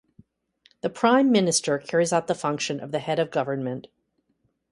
The Prime Minister carries out the function of the head of government.